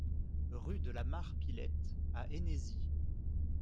Rue de la Mare Pilette à Hennezis